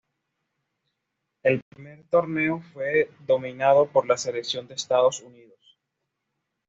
El primer torneo fue dominado por la selección de Estados Unidos.